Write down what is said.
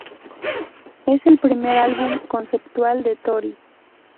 Es el primer álbum conceptual de Tori.